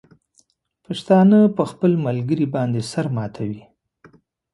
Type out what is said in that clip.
پښتانه په خپل ملګري باندې سر ماتوي.